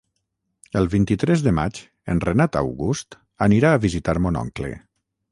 El vint-i-tres de maig en Renat August anirà a visitar mon oncle.